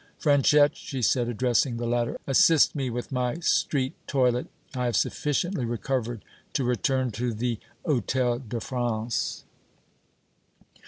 "Franchette," she said, addressing the latter, "assist me with my street toilet. I have sufficiently recovered to return to the Hôtel de France."